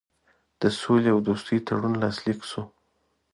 د سولي او دوستي تړون لاسلیک کړ.